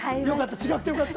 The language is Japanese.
違ってよかった。